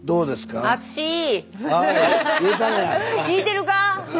聞いてるか！